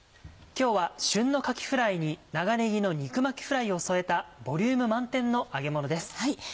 今日は旬のかきフライに長ねぎの肉巻きフライを添えたボリューム満点の揚げものです。